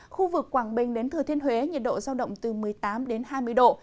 khu vực quảng bình đến thừa thiên huế nhiệt độ giao động từ một mươi tám đến hai mươi độ